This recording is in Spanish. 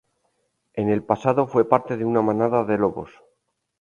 En el pasado, fue parte de una manada de lobos.